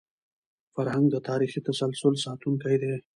فرهنګ د تاریخي تسلسل ساتونکی دی.